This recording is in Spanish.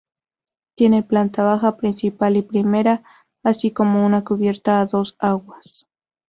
Tiene planta baja, principal y primera, así como una cubierta a dos aguas.